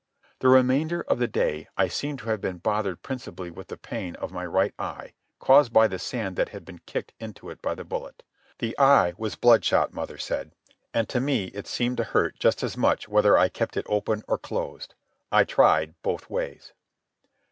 The remainder of the day I seem to have been bothered principally with the pain of my right eye caused by the sand that had been kicked into it by the bullet. The eye was bloodshot, mother said; and to me it seemed to hurt just as much whether I kept it open or closed. I tried both ways.